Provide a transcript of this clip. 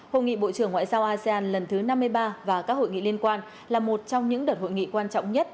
hội nghị bộ trưởng ngoại giao asean lần thứ năm mươi ba và các hội nghị liên quan là một trong những đợt hội nghị quan trọng nhất